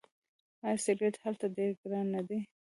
آیا سیګرټ هلته ډیر ګران نه دي؟